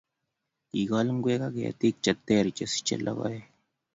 kikool ngwek ak ketik cheteer chesichei lokoek